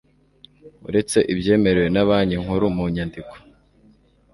uretse ibyemerewe na banki nkuru mu nyandiko